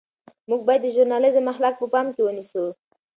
موږ باید د ژورنالیزم اخلاق په پام کې ونیسو.